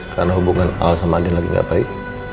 karena hubungan elsa sama andi lagi nggak baik